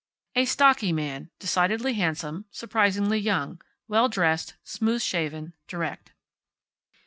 A stocky man, decidedly handsome, surprisingly young, well dressed, smooth shaven, direct.